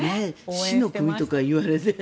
死の組とか言われて。